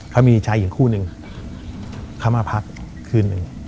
เขามีชายอีกคู่หนึ่งเขามาพักคืนหนึ่ง